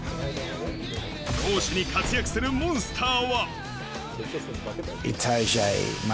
攻守に活躍するモンスターは。